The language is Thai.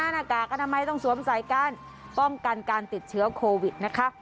หน้ากากอนามัยต้องสวมใส่กันป้องกันการติดเชื้อโควิดนะคะ